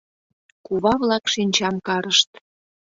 Кува-влак шинчам карышт.